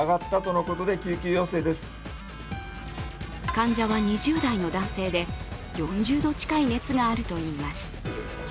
患者は２０代の男性で４０度近い熱があるといいます。